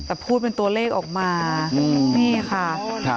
แต่พูดเป็นตัวเลขออกมานี่ค่ะ